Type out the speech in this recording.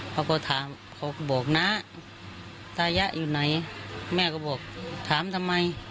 เขาก็ถามเขาก็บอกน้าตายะอยู่ไหนแม่ก็บอกถามทำไม